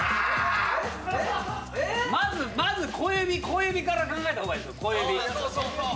まず小指から考えた方がいいですよ